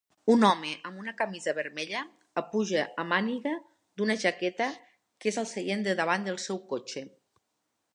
Un home amb una camisa vermella apuja a màniga d'una jaqueta que és al seient de davant del seu cotxe.